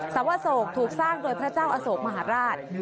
สวโศกถูกสร้างโดยพระเจ้าอโศกมหาราช